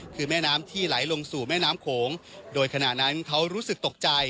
คือแม่น้ำที่ไหลลงสู่แม่น้ำโขงโดยขณะนั้นเขารู้สึกตกใจ